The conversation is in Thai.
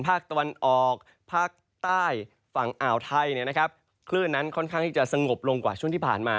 ภาคตะวันออกภาคใต้ฝั่งอ่าวไทยเนี่ยนะครับคลื่นนั้นค่อนข้างที่จะสงบลงกว่าช่วงที่ผ่านมา